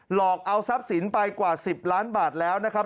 หลอกเอาทรัพย์สินไปกว่า๑๐ล้านบาทแล้วนะครับ